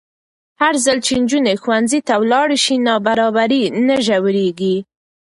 هرځل چې نجونې ښوونځي ته ولاړې شي، نابرابري نه ژورېږي.